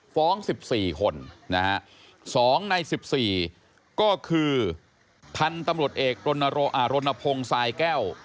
ฟ้องสิบสี่คนนะฮะสองในสิบสี่ก็คือพันธุ์ตำรวจเอกรณพงศ์สายแก้ว